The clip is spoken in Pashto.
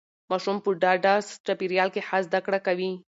ماشوم په ډاډه چاپیریال کې ښه زده کړه کوي.